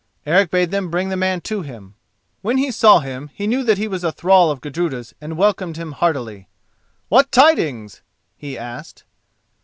Eric bade them bring the man to him. When he saw him he knew that he was a thrall of Gudruda's and welcomed him heartily. "What tidings?" he asked.